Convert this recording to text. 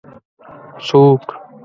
ـ څوک؟